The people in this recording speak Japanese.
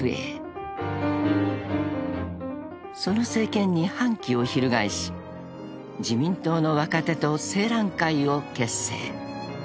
［その政権に反旗を翻し自民党の若手と青嵐会を結成］